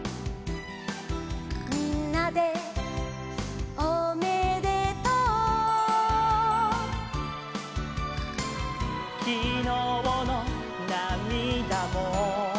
「みんなでおめでとう」「きのうのなみだもすぐに」